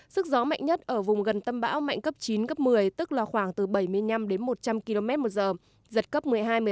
sức gió mạnh nhất ở vùng gần tâm bão mạnh cấp chín cấp một mươi tức là khoảng từ bảy mươi năm đến một trăm linh km một giờ giật cấp một mươi hai một mươi hai